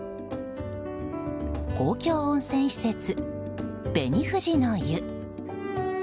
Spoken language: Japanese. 公共温泉施設、紅富士の湯。